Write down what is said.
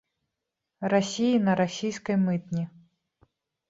Расіі на расійскай мытні.